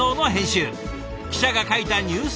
記者が書いたニュース